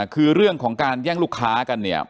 คือเรื่องของการแย่งลูกค้ากันเนี่ย